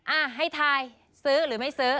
อ่ะให้ทายซื้อหรือไม่ซื้อ